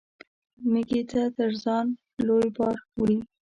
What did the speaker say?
مېږى تر ځان لوى بار وړي.